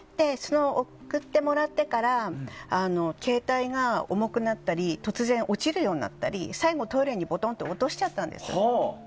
送ってもらってから携帯が重くなったり突然落ちるようになったり最後、トイレに落としちゃったんです。